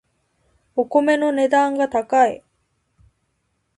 お米の値段が高い